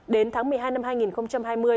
đến tháng một mươi hai năm hai nghìn hai mươi